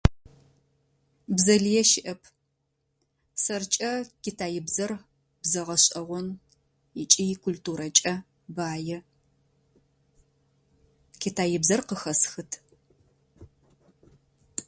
Бзэ лые щыӏэп. Сэркӏэ китаибзэр бзэ гъэшӏэгъон. Ыкӏи и культурэкӏэ баи. Китаибзэр къыхэсхыт.